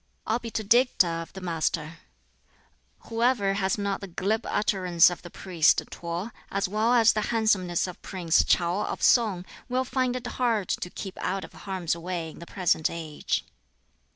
'" Obiter dicta of the Master: "Whoever has not the glib utterance of the priest T'o, as well as the handsomeness of Prince ChŠu of Sung, will find it hard to keep out of harm's way in the present age.